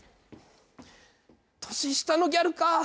年下のギャルか。